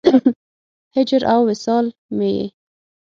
هجر او وصال مې یې